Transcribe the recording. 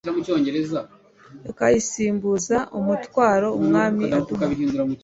ikayisimbuza umutwaro Umwami aduha.